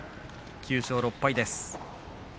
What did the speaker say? ９勝６敗です。